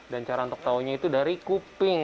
dan cara untuk tahunya itu dari kuping